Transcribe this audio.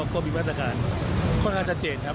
ก็มีมาตรการค่อนข้างชัดเจนครับ